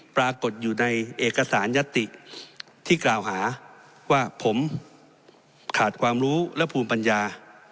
ปรากฏอยู่ในเอกสารยัตติที่กล่าวหาว่าผมขาดความรู้และภูมิปัญญา